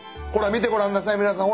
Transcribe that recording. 見てごらんなさい皆さん。